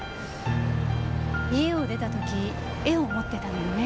家を出た時絵を持ってたのよね？